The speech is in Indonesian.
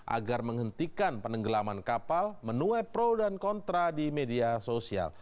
agar menghentikan penenggelaman kapal menue pro dan kontra di media sosial